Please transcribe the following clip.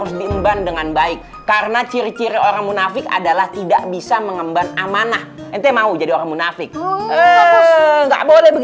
sampai jumpa di video selanjutnya